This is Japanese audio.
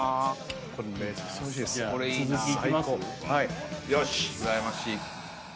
はい！